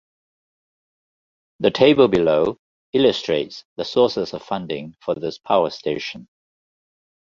The table below illustrates the sources of funding for this power station.